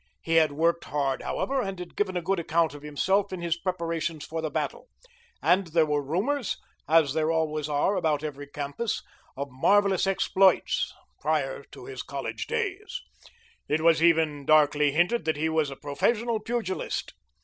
He had worked hard, however, and given a good account of himself in his preparations for the battle, and there were rumors, as there always are about every campus, of marvelous exploits prior to his college days. It was even darkly hinted that he was a professional pugilist.